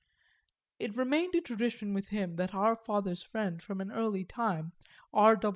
It remained a tradition with him that our father's friend from an early time, R.